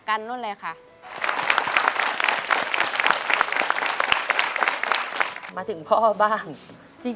คุณหมอบอกว่าเอาไปพักฟื้นที่บ้านได้แล้ว